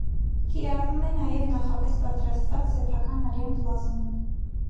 Կիրառվում է նաև նախապես պատրաստված սեփական արյան պլազման։